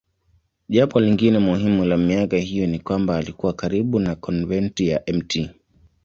Jambo lingine muhimu la miaka hiyo ni kwamba alikuwa karibu na konventi ya Mt.